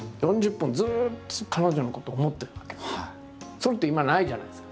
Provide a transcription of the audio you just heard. それって今ないじゃないですか？